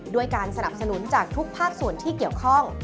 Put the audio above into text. ด้วยการสนับสนุนจากทุกภาคส่วนที่เกี่ยวข้อง